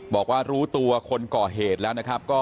บอกว่ารู้ตัวคนเกาะเหตุแล้วก็